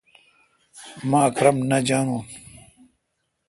مہ اکرم نہ جانوُن۔